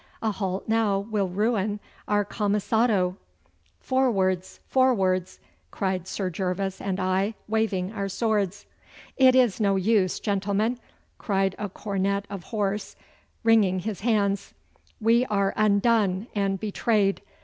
A halt now will ruin our camisado.' 'Forwards, forwards!' cried Sir Gervas and I, waving our swords. 'It is no use, gentlemen,' cried a cornet of horse, wringing his hands; 'we are undone and betrayed.